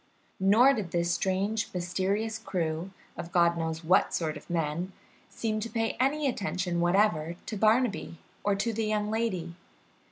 Nor did this strange, mysterious crew, of God knows what sort of men, seem to pay any attention whatever to Barnaby or to the young lady.